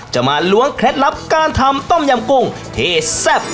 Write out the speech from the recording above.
มาล้วงเคล็ดลับการทำต้มยำกุ้งที่แซ่บ